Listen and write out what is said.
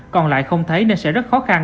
còn lại không thấy nên sẽ rất khó khăn